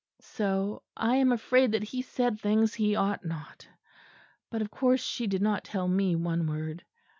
So I am afraid that he said things he ought not; but of course she did not tell me one word.